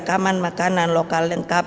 keaman makanan lokal lengkap